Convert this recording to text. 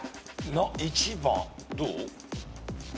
１番どう？